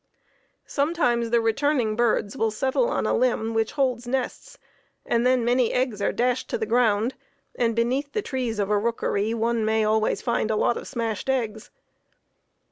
Sometimes the returning birds will settle on a limb which holds nests and then many eggs are dashed to the ground, and beneath the trees of a rookery one may always find a lot of smashed eggs.